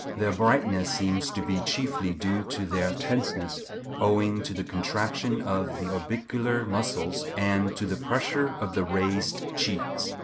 Their brightness seems to be chiefly due to their tenseness, owing to the contraction of the orbicular muscles and to the pressure of the raised cheeks.